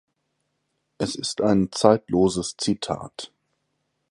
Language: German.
Es ist ein zeitloses Zitat.